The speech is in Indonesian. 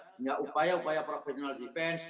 sehingga upaya upaya profesional defense